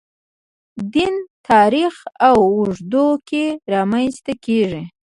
دین تاریخ اوږدو کې رامنځته کېږي.